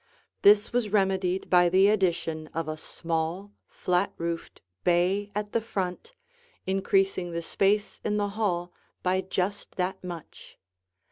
This was remedied by the addition of a small, flat roofed bay at the front, increasing the space in the hall by just that much.